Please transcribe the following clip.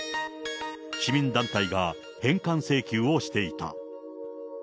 市民団体が返還請求をしていた。